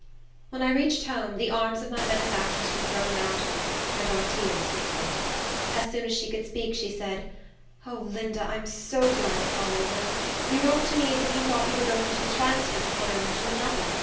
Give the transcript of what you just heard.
When I reached home, the arms of my benefactress were thrown round me, and our tears mingled. As soon as she could speak, she said, "O Linda, I'm so glad it's all over! You wrote to me as if you thought you were going to be transferred from one owner to another.